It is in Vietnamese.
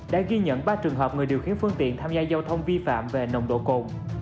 đã ghi nhận ba trường hợp người điều khiển phương tiện tham gia giao thông vi phạm về nồng độ cồn